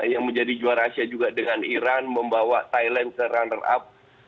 yang menjadi juara asia juga dengan iran membawa thailand ke runner up